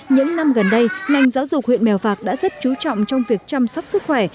những năm gần đây ngành giáo dục huyện mèo vạc đã rất chú trọng trong việc chăm sóc sức khỏe